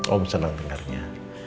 om senang dengarnya